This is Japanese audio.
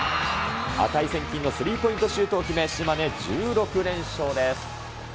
値千金のスリーポイントシュートを決め、島根１６連勝です。